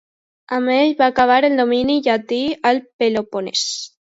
Amb ell va acabar el domini llatí al Peloponès.